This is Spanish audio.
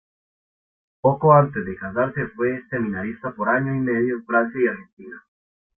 Poco antes de casarse fue seminarista por año y medio en Francia y Argentina.